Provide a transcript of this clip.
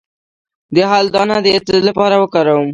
د هل دانه د څه لپاره وکاروم؟